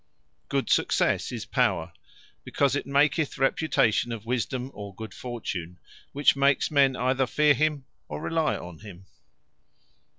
Good successe is Power; because it maketh reputation of Wisdome, or good fortune; which makes men either feare him, or rely on him.